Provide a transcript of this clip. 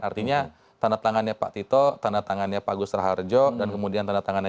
artinya tanda tangannya pak tito tanda tangannya pak gus raharjo dan kemudian tanda tangannya